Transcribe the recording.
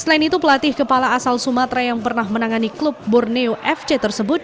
selain itu pelatih kepala asal sumatera yang pernah menangani klub borneo fc tersebut